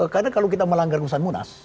karena kalau kita melanggar keputusan munas